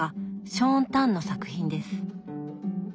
ショーン・タンの作品です。